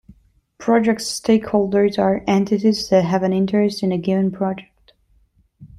Project stakeholders are entities that have an interest in a given project.